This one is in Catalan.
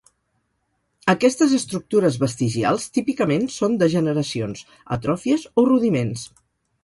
Aquestes estructures vestigials típicament són degeneracions, atròfies, o rudiments.